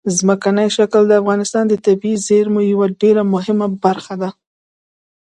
ځمکنی شکل د افغانستان د طبیعي زیرمو یوه ډېره مهمه برخه ده.